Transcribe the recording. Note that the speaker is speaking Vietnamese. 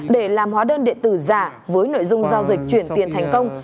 để làm hóa đơn điện tử giả với nội dung giao dịch chuyển tiền thành công